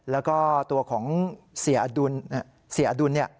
แล้วก็ตัวของเสียอดุล